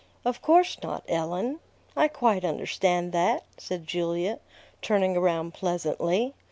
"Of course not, Ellen. I quite understand that," said Julia, turning around pleasantly.